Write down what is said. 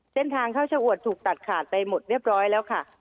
เส้นทางเข้าชะอวดถูกตัดขาดไปหมดเรียบร้อยแล้วค่ะ